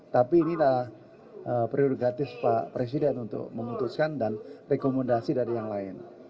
tapi ini adalah prerogatif pak presiden untuk memutuskan dan rekomendasi dari yang lain